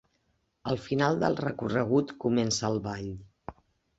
Al final del recorregut comença el ball.